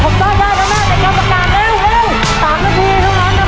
ต้องขลมให้ดีเลยนะครับคุณผู้ชมเอ้าเอ้า